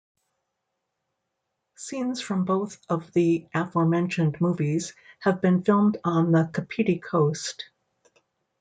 Scenes from both of the aforementioned movies have been filmed on the Kapiti Coast.